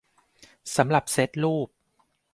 สำหรับเซ็ตรูป